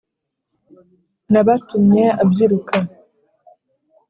N'abatumye abyiruka